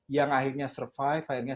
yang akhirnya survive akhirnya